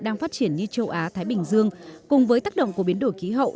đang phát triển như châu á thái bình dương cùng với tác động của biến đổi khí hậu